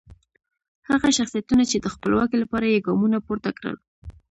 هغه شخصیتونه چې د خپلواکۍ لپاره یې ګامونه پورته کړل.